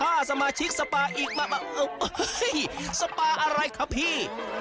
ถ้าสมาชิกสปาอีกมาสปาอะไรครับพี่